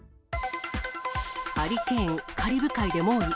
ハリケーン、カリブ海で猛威。